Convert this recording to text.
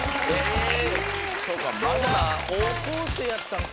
そうかまだ高校生やったんか。